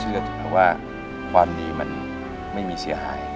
เชื่อถึงเพราะว่าความดีมันไม่มีเสียหาย